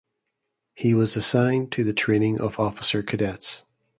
He was assigned to the training of officer cadets.